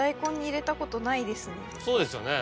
そうですよね。